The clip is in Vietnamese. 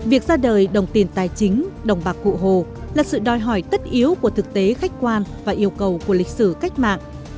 việc ra đời đồng tiền tài chính đồng bạc cụ hồ là sự đòi hỏi tất yếu của thực tế khách quan và yêu cầu của lịch sử cách mạng